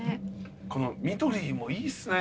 この緑もいいっすね